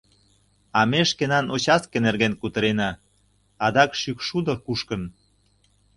А ме шкенан участке нерген кутырена, — адак шӱкшудо кушкын.